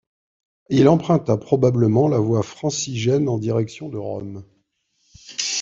Il emprunta probablement la voie francigène en direction de Rome.